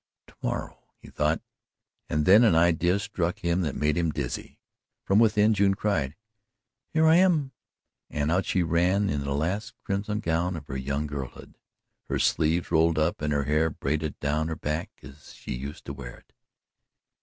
"To morrow," he thought, and then an idea struck him that made him dizzy. From within June cried: "Here I am," and out she ran in the last crimson gown of her young girlhood her sleeves rolled up and her hair braided down her back as she used to wear it.